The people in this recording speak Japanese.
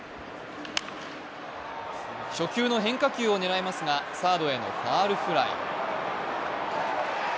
初球の変化球を狙いますがサードへのファウルフライ。